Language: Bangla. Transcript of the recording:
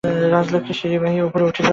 রাজলক্ষ্মী সিঁড়ি বাহিয়া উপরে উঠিলেন।